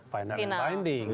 final dan banding